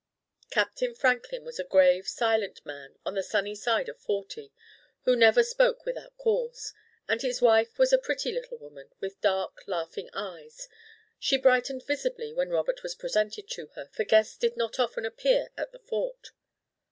Captain Franklin was a grave, silent man on the sunny side of forty, who never spoke without cause, and his wife was a pretty little woman, with dark, laughing eyes. She brightened visibly when Robert was presented to her, for guests did not often appear at the Fort.